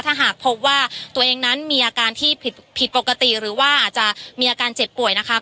ถ้าหากพบว่าตัวเองนั้นมีอาการที่ผิดปกติหรือว่าอาจจะมีอาการเจ็บป่วยนะคะ